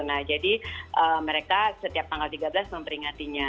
nah jadi mereka setiap tanggal tiga belas memperingatinya